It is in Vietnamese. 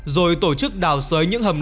rồi tổ chức đào xới những khu vực này